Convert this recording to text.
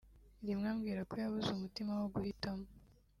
rimwe ambwira ko yabuze umutima wo guhitimo